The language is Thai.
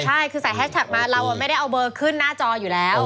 ใช่คือใส่แฮชแท็กมาเราไม่ได้เอาเบอร์ขึ้นหน้าจออยู่แล้ว